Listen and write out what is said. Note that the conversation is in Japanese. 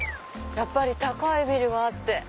やっぱり高いビルがあって。